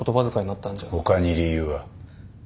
他に理由は。